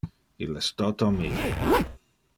Il es toto mie.